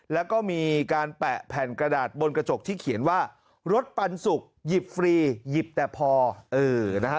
แล้วก็มีการแปะแผ่นกระดาษบนกระจกที่เขียนว่ารถปันสุกหยิบฟรีหยิบแต่พอเออนะฮะ